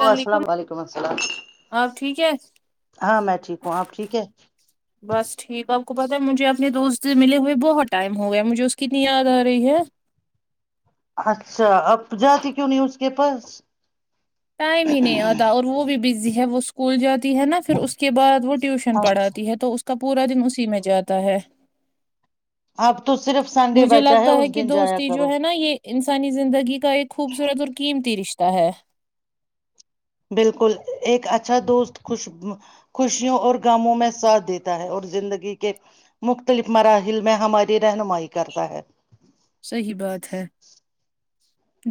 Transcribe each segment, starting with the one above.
لو السلام علیکم السلام آپ ٹھیک ہے ہاں میں ٹھیک ہوں آپ ٹھیک ہے بس ٹھیک آپ کو پت ہے مجھے اپنے دوست سے ملے ہوئے بہت ٹائم ہو گیا مجھے اس کتنی یاد آ رہی ہے اچھا اب جاتی کیوں نہیں اس کے پاس ٹائم ہی نہیں آتا اور وہ بھی بزی ہے وہ کل جات ہے نا پھر اس کے بعد وہ ٹیوشن پڑھاتی ہے تو اس کا پورا دن اسی میں جاتا ہے آپ مجھے لگتا ہے کہ دوستی جو کرو ہے نا یہ انسانی زندگی کا ایک خوبصورت اور قیمتی رشتہ تا ہے بالکل ایک اچھا دوست خوش خوشیوں اور گموں میں ساتھ دیتا ہے اور زندگی کے مختلف مراحل میں ہماری رہنمائی کرتا ہے صحیح بات ہے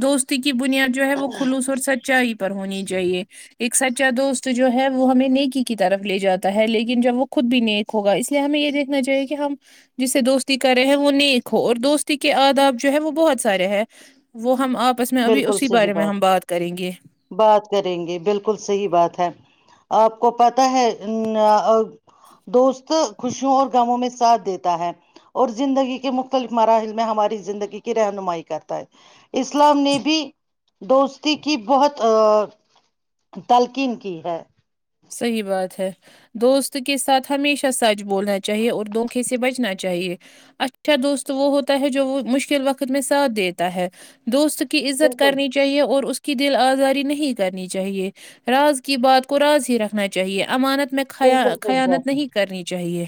دوستی کی بنیاد جو ہے وہ خلوص اور سچائی پر ہونی چاہیے ایک سچا دوست جو ہے وہ ہمیں نیکی کی طرف لے جاتا ہے لیکن جب وہ خود بھی نیک ہوگا اس لیے ہمیں یہ دیکھنا چاہیے کہ ہم جسے دوستی کر رہے ہیں وہ نیک ہو اور دوستی کے آداب جو ہے وہ بہت سارے ہے وہ ہم آپ بالکل صحی بات بات کریں گے بالکل صحی بات ہے آپ کو پتہ ہے دوست خوشیوں اور گووں میں ساتھ دیتا ہے اور زندگی کے مختلف مراحل میں ہماری زندگی کی رہنمائی کرتا ہے اس اسلام نے بھی دوستی کی بہت ا تلقین کی ہے صحیح بات ہے دوست کے ساتھ ہمیشہ سچ بولنا چاہیے اور دھوکے سے بچنا چاہیے اچھا دوست وہ ہوتا ہے جو وہ مشکل وقت میں ساتھ دیتا ہے دوست کی عزت بالکل کرنی چاہیے اور اس دل آزاری نہیں کرنی چاہیے راز کی بات کو راز ہی رکھنا چاہیے امانت میں خیا بالکل صحیح خیانت بات ہے نہیں کرنی چاہیے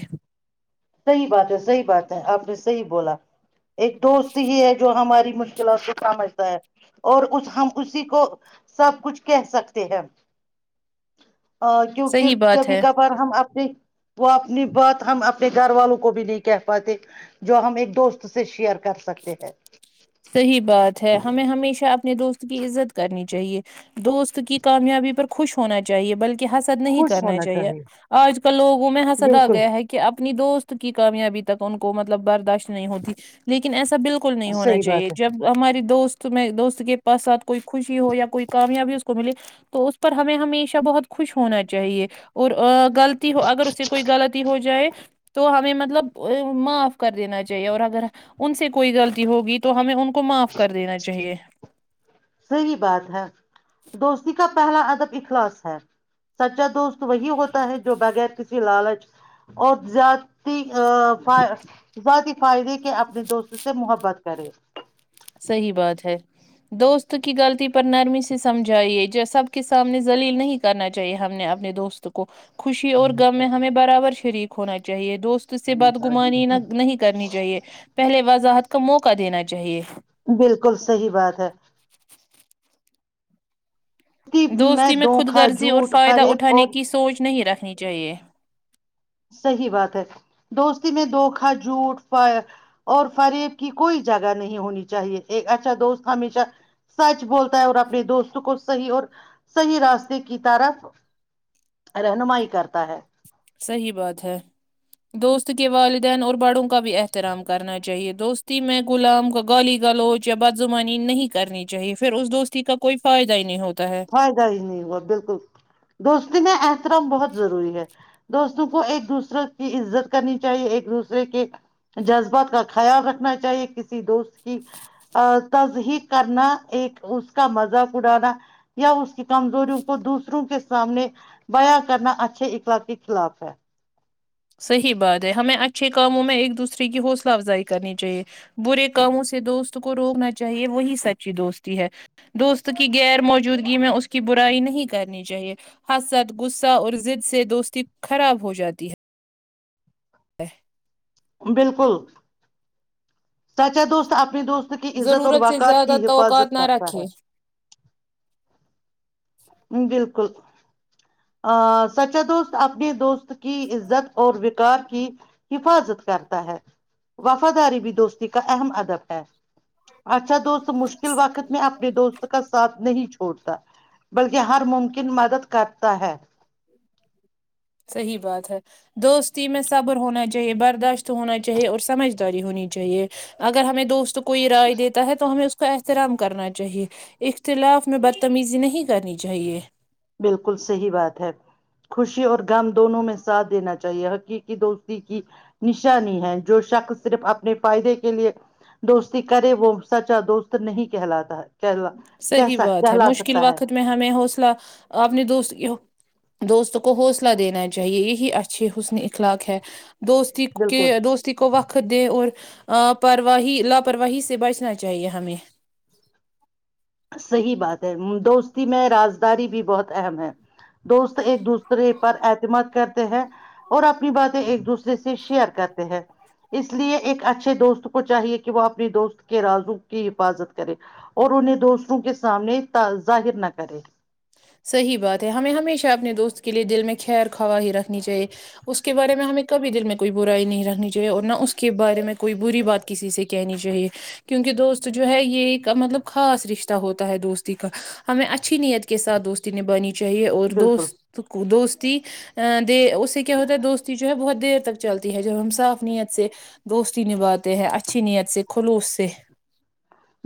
صحیح بات ہے صحیح بات ہے آپ نے صحیح بولا ایک دوست ہی ہے جو ہمارے مشکلات کو سمجھتا ہے اور ہم اسی کو سب کچھ کہہ سکتے ہیں کیونکہ صحیح بات کبھی ہے کبھار ہم [unintelligible] وہ اپنی بات ہم اپ [unintelligible] اپنے گھر والوں کو بھی نہیں کہہ پاتے جو ہم ایک دوست سے شیئر [unintelligible] کر سکتے ہیں [unintelligible] صحیح بات ہے ہمیں ہمیشہ اپنے دوست کی عزت کرنی چاہیے دوست کی کامیابی پر خوش ہونا چاہیے بلکہ [unintelligible] حسد نہیں خوش کرنا ہونا چاہیے آج کل لوگوں میں حسد آ بالکل گیا ہے کہ اب [unintelligible] اپنی دوست کی کامیابی تک ان کو مطلب برداشت نہیں ہوتی لیکن ایسا [unintelligible] بالکل نہیں ہونااہ صحیح [unintelligible] چاہیے بات ہے جب ہماری دوست [unintelligible] یں دوست کے پاتھ ساتھ کوئی خوشی ہو یا کوئی کامیابی اس کو ملے تو اس پر ہمیں ہمیشہ بہت خوش ہونا چاہیے اور غلط ہو اگر اس سے کوئی غلطی ہو جائے تو ہم [unintelligible] مطلب معاف کر دینا چاہیے اور اگر ان سے کوئی غلطی ہوگی تو [unintelligible] ہمیں ان کو [unintelligible] کو معاف کر دینا چاہیے [unintelligible] صحیح بات ہے دوستی کا پہلا ادب اخلاص ہے سچا دوست وہی ہوتا ہے جو بغیر کسی لالچ اور جی ا بقی [unintelligible] فائدے کہ اپنی دوست سے محبت کرے [unintelligible] صحیح بات ہے دوست کی غلطی پر نرمی سے سمجھائیے جو سب کے سامنے لیل نہیں کرنا چاہیے ہم نے اپنے دوست کو خوشی اور غم میں ہمیں برابر شریک ہونا چاہیے [unintelligible] دوست سے بد گمانی نہ نہیں کرنی چاہیے پہلے وضاحت [unintelligible] اس کا موقع دینا چاہیے بالکل صحی بات ہے دوستی میں خود دھوکا گرضی اور جھوٹ فائدہ فریب اٹھانے اور کی سوچ نہیں رکھا نی چاہیے [unintelligible] صحیح بات ہے دوستی میں دھوکھا جھوٹ اور فریب کی کوئی جگہ نہیں ہونی چاہیے ایک اچھا دوست ہمیشہ سچ بولتا ہے اور اپنے دوست کو صحیح اور صحیح راستے کی طرف رہنمائی کرتا ہے صحیح بات ہے دوست کے والدین اور بڑوں کا بھی احترام کرنا چاہیے دوستی میں غلام کا گالی گلوچ یا بد زمانی نہیں کرنی چاہیے پھر اس دوستی کا کوئی فائدہ ہی نہیں ہوتا [unintelligible] فائدہ ہی نہیں ہوا بالکل دوست احترام بہت ضروری ہے دوستوں کو ایک دوسرے کی عزت کرنی چاہیے ایک دوسرے کے جذبات کا خیال رکھنا چاہیے کسی دوست کی تجحیق کرنا ایک اس کا مذاق اڑانا [unintelligible] یا اس کی کمزوریوں کو دوسروں کے سامنے بیاں کرنا اچھے اخلاق کے خلاف ہے [unintelligible] صحیح بات ہے ہمیں اچھے کاموں میں ایک دوسرے کی حوصلہ افزائی کرنی چاہیے برے کاموں سے دوست کو روکنا چاہیے وہی سچی دوستی ہے دوست کی غیر موجودگی میں اس کی برائی نہیں کرنی چاہیے حسد غصہ اور زضد سے دوستی خراب ہو جاتی ہے تی [unintelligible] بالکل سچ ہے دوست اپنی دوست کی عزت اور ضرورت سے وقار زیادہ کی توقعات حفاظت نہ کرتا رکھیں ہ بالکل ا سچا دوست اپنے دوست کی عزت اور وکار کی [unintelligible] حفاظت کرتا ہے وفاداری بھی دوستی کا اہم ادب ہے [unintelligible] اچھا دوست مشکل وقت میں اپنے دوست کا ساتھ نہیں چھڑ اتا [inaudible] بلکہ ہر ممکن مدد [unintelligible] کپ [inaudible] ہے [inaudible] صحیح بات ہے دوستی میں صبر ہونا چاہیے برداشت ہونا چاہیے اور سمجھداری ہونی چاہیے اگر ہمیں دوست کو [unintelligible] کوئی رائے دیتا ہے تو ہمیں اس احترام کرنا چاہیے اختلاف میں بدتمیزی نہیں کرنی چاہیے بالکل صحیح بات ہے خوشی اور غم دونوں میں ساتھ دینا چاہیے حقیقی دوستی کی نشانی ہے جو شخص صرف اپنے فائدے کے لیے دوستی کرے وہ سچا دوست نہیں کہلاتا ہے کہلا کہہ صحیح سک بات ہے کہلا مشکل سکتا ہے وقت میں ہمیں حوصلہ آپ نے دوست دوست کو حوصلہ دینا چاہیے یہی اچھی حسن اخلاق ہے دوستی کے بالکل دوستی کو وقت دیں اور آپرواہی لاپرواہی سے بچنا چاہیے ہمیں صحیح بات ہے دوستی میں رازداری بھی بہت اہم ہے [unintelligible] دوست ایک دوسرے پر اعتماد کرتے ہیں اور اپنی باتیں ایک دوسرے سے شیئر کرتے ہیں اس لیے ایک [unintelligible] اچھے دوست کو چاہیے کہ وہ اپنی دوست کے رازو کی حفاظت کرے اور انہیں دوست [unintelligible] روں کے سامنے ظاہر نہ کرے صحی بات ہے ہمیں ہمیشہ اپنے دوست کے لیے دل میں خیر خواہ ہی رکھنی چاہیے اس کے بارے میں ہمیں [unintelligible] کبھی دل میں کوئی برائی نہیں رکھنی چاہیے اور نہ اس کے بارے میں کوئی بری بات کسی سے کہنی چاہیے کیونکہ دوست جو ہے یہ ایک مطلب خاص رشتہ ہوتا ہے دوستی کا ہمیں اچھی نیت [unintelligible] سھ دوستی نے بنی [unintelligible] چاہیے اور بالکل دوست کو دوست [unintelligible] ا د اس [unintelligible] سے کیا ہوتا ہے دوستی جو ہے بہت [unintelligible] دیر تک چلتی ہے جب ہم صاف نیت سے دوستی نبھاتے ہیں اچھی نیت سے خلوص سے [unintelligible]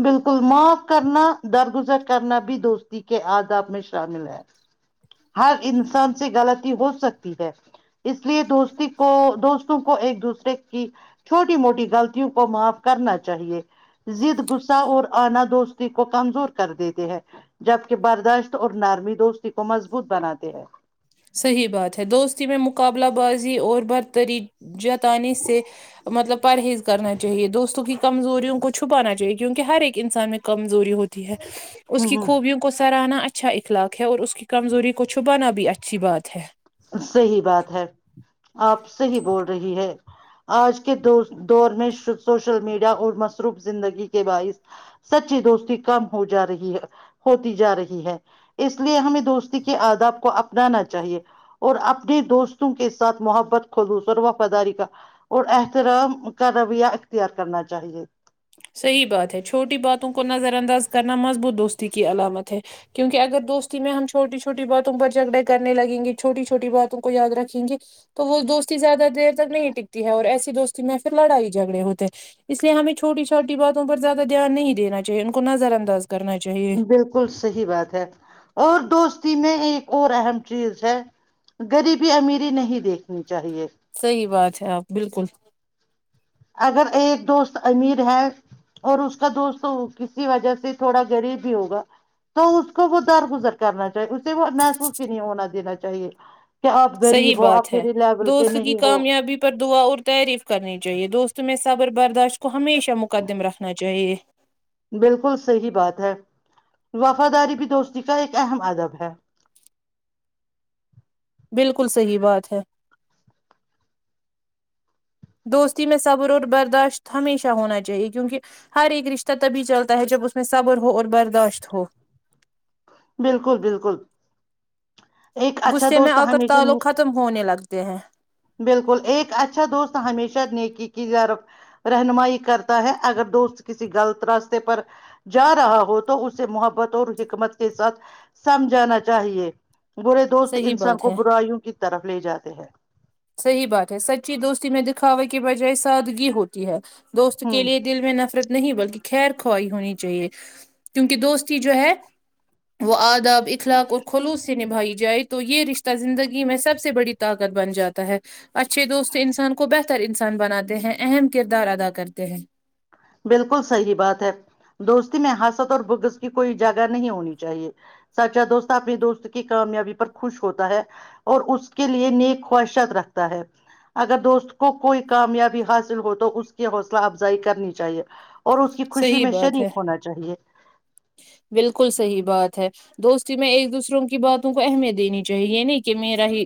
بالکل معاف کرنا درگزر کرنا بھی دوستی کے آداب میں شامل ہے ہر انسان سے غلطی ہو سکتی ہے اس لیے دوستی کو دوستوں کو ایک دوسرے کی چھوٹی موٹی غلطیوں کو معاف کرنا چاہیے د غصہ اور آنا دوستی کو کمزور کر دیتے ہیں جبکہ برداشت اور نارمی دوستی کو م [unintelligible] مبت بناتے ہیں [unintelligible] صحیح بات ہے دوستی میں مقابلہ بازی اور برتری جت [unintelligible] بتے سے مطلب [unintelligible] پرہیز کرنا چاہیے دوستوں کی کمزوریوں کو چھپانا چاہیے کیونکہ ہر ایک انسان میں کمزوری ہوتی ہے [unintelligible] اس ہ کی ہ خوبیوں کو سرناا [unintelligible] اچھا اخلاق ہے اور اس کی کمزوری کو چھپانا بھی اچھا [unintelligible] اچھی بات ہے [unintelligible] صحی بات ہے آپ صحی بول رہی ہے آج کے دور میں سوشل میڈیا اور مصروف زندگی کے باعث سچی دوستی کم ہو جا رہی ہے ہوتی جا رہی ہے اس لیے ہمیں دوستی کے آداب کو اپنانا چاہیے [unintelligible] اور اپنے دوستوں کے ساتھ محبت خلوص اور وفاداری کا اور احترام کا رویہ اختیار کرنا چاہیے [unintelligible] صحیح بات ہے چھوٹی باتوں کو نظر انداز کرنا مضبوط دوستی کی علامت ہے کیونکہ اگر دوستی میں ہم چھوٹی چھوٹی باتوں پر جھگڑے کرنے لگیں گے چھوٹی چھوٹی باتوں کو یاد رکھیں گے تو وہ دوستی زیادہ دیر تک نہیں ٹکتی ہے اور ایسی دوستی میں پھر لڑائی جھگڑے ہوتے ہیں اس لیے ہمیں چھوٹی چوٹی چھٹی باتوں پر زیادہ دھیان نہیں دینااہیے ان کو نظر انداز کرنا چاہیے بالکل صحیح بات ہے اور دوستی میں ایک اور اہم چیز ہے غریبی امیری نہیں دیکھنی چاہیے صحی بات ہے آپ بالکل اگر ایک دوست امیر ہے اور اس کا دوست کسی وجہ سے تھوڑا غریب بھی ہوگا تو اس کو وہ درگزر کرنا چاہیے اسے وہ محسوس ہی نہیں ہونا دینا چاہیے کہ آپ صحیح غریب ہو بات آپ ہے میرے لیول کے دوست کی نہیں ہو کامیابی پر دعا اور تعریف کرنی چاہیے دوست تمیں صبر برداشت کو ہمیشہ مقدم رکھنا چاہیے بالکل صحیح بات ہے وفاداری بھی دوستی کا ایک اہم ادب ہے بالکل صحیح بات ہے دوستی میں صبر اور برداشت ہمیشہ ہونا چاہیے کیونکہ ہر ایک رشتہ تبھی چلتا ہے جب اس میں صبر ہو اور برداشت ہو بالکل بالکل ایک اچھا غصے میں دوست آ کر ہمیشہ تعلق ختم ہونے لگتے ہیں بالکل ایک اچھا دوست ہمیشہ نیکی رہنمائی کرتا ہے اگر دوست کسی غلط راستے پر جا رہا ہو تو اسے محبت اور حکمت کے ساتھ سمجھانا چاہیے برے دوست صحیح انسان بات کو ہے برائی وں کی طرف لے جاتے ہیں صحیح بات ہے سچی دوستی میں دکھاوے کے بجائے سادگی ہوتی ہے دوست کے ہوں لیے دل میں نفرت نہیں بلکہ خیر کھوائی ہونی چاہیے کیونکہ دوستی جو ہے وہ آداب اخلاق اور خلوص سے نبھائی جائے تو یہ رشتہ زندگی میں سب سے بڑی طاقت بن جاتی ہے اچھے دوست انسان کو بہتر انسان بناتے ہیں اہم کردار ادا کرتے ہیں بالکل صحیح بات ہے دوستی میں حاست اور بگس کی کوئی ا جگہ نہیں ہونی چاہیے سچا دوستتا اپنے دوست کی کامیابی پر خوش ہوتا ہے اور اس کے لیے نیک خواہشت رکھتا ہے اگر دوست کو کوئی کامیابی حاصل ہو تو اس کی حوصلہ افزائی کرنی چاہیے اور اس کی خوشی صحیح میں بات ہے شریک ہونا چاہیے بالکل صحیح بات ہے دوستی میں ایک دوسروں کی باتوں کو اہمیت دینی چاہیے یہ نہیں کہ میرا ہی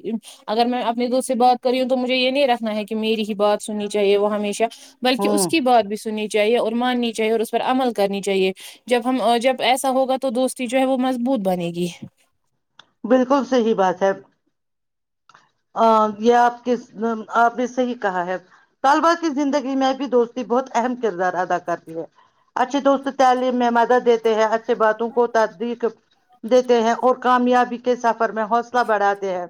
اگر میں اپنے دوست سے بات کر رہی ہوں تو مجھے یہ نہیں رکھنا ہے کہ میری ہی بات سننی چاہیے وہ ہمیشہ ہ بلکہ اس کی بات بھی سنی چاہیے اور ماننی چاہیے اور اس پر عمل کرنی چاہیے جب ہم جب ایسا ہوگا تو دوستی جو ہے وہ مضبوط بنے گی بالکل صحی بات ہے [unintelligible] ا یہ آپ کے آپ نے صحیح کہا ہے طلبا کی زندگی میں بھی دوستی بہت اہم کردار ادا کر رہی ہے اچھے دوست تعلیم میں مدد دیتے ہیں اچھے باتوں کو تدیق دیتے ہیں اور کامیابی کے سب میں حوصلہ بڑھاتے ہیں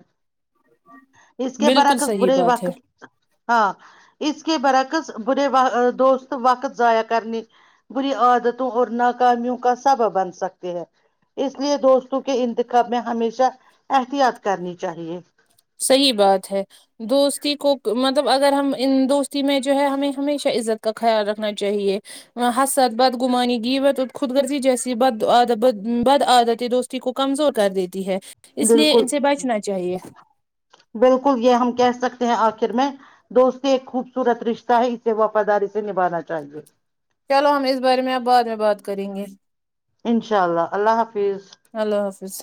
اس کے بالکل برعکس صحیح برے بات ہے وقت ہاں اس کے برعکس برے و دوست وقت ضائع کرنے بری عادتوں اور ناکامیوں کا سبب بن سکتے ہیں اس لیے دوستوں کے انتخاب میں ہمیشہ احتیاط کرنی چاہیے صحیح بات ہے دوستی کو مطلب اگر ہم ان دوستی میں جو ہے ہمیں ہمیشہ عزت کا خیال رکھنا چاہیے حسد بد گمانی گیوت خود رزی جیسی بد ع بد عادتیں دوستی کو کمزور کر دیتی ہے اس لیے بالکل ان سے بچنا چاہیے بالکل یہ ہم کہہ سکتے ہیں آخر میں دوستی ایک خوبصورت رشتہ ہے اسے وفاداری سے نبھانا چاہیے چلو ہم اس بارے میں اب بعد میں بات کریں گے انشاء اللہ اللہ حافظ اللہ حافظ